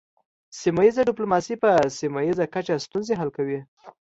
سیمه ایز ډیپلوماسي په سیمه ایزه کچه ستونزې حل کوي